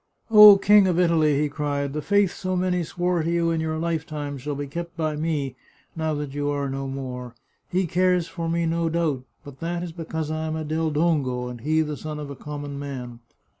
" Oh, King of Italy !" he cried, " the faith so many swore to you in your lifetime shall be kept by me, now that you are no more. He cares for me, no doubt, but that is be cause I am a Del Dongo and he the son of a common man."